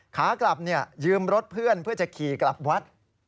ขากลับยืมรถเพื่อนเพื่อจะขี่กลับวัด